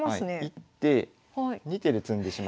１手２手で詰んでしまうので。